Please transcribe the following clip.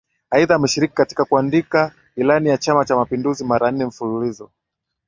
Aidha ameshiriki katika kuandika Ilani ya Chama cha Mapinduzi mara nne mfululizo